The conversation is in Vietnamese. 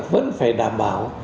vẫn phải đảm bảo